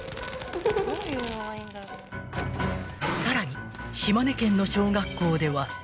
［さらに島根県の小学校では］